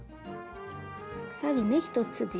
鎖目１つですね。